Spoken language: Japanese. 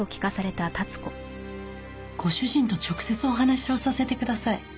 ご主人と直接お話をさせてください。